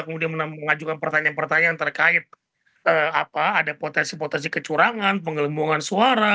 kemudian mengajukan pertanyaan pertanyaan terkait ada potensi potensi kecurangan penggelembungan suara